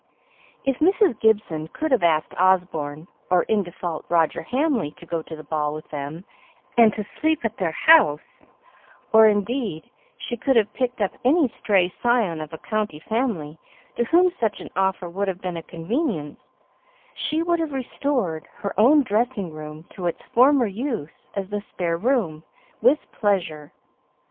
If Mrs. Gibson could have asked Osborne, or in default, Roger Hamley to go to the ball with them and to sleep at their house, or if, indeed, she could have picked up any stray scion of a "county family" to whom such an offer would have been a convenience, she would have restored her own dressing room to its former use as the spare room, with pleasure.